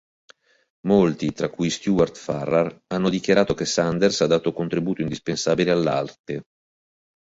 Molti, tra cui Stewart Farrar, hanno dichiarato che Sanders ha dato contributo indispensabile all'Arte.